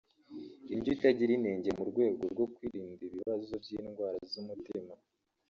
indyo itagira inenge mu rwego rwo kwirinda ibibazo by’indwara z’umutima